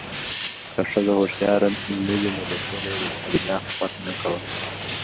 که ښځه هوښیاره نه وی نو بچو به ېې په دنیا حکومت نه کوه